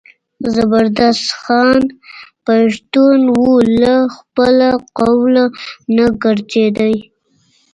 زبردست خان پښتون و له خپله قوله نه ګرځېدی.